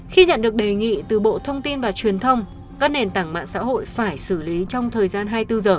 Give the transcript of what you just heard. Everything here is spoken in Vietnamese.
khi nhận được đề nghị từ bộ thông tin và truyền thông các nền tảng mạng xã hội phải xử lý trong thời gian hai mươi bốn h